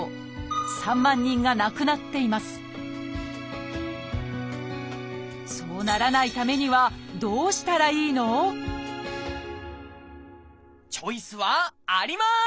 ３万人が亡くなっていますそうならないためにはチョイスはあります！